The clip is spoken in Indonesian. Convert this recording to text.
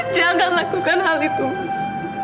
jangan lakukan hal itu mas